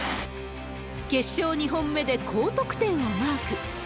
決勝２本目で高得点をマーク。